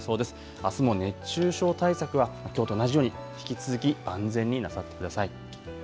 あすも熱中症対策は、きょうと同じように引き続き万全になさってください。